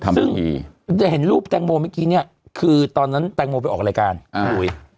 ซึ่งจะเห็นรูปแตงโมเมื่อกี้เนี่ยคือตอนนั้นแตงโมไปออกรายการอ่า